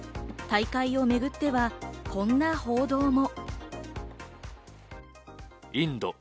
大会をめぐっては、こんな報道も。